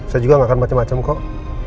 saya juga nggak akan macam macam kok